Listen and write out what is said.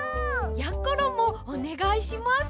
やころもおねがいします。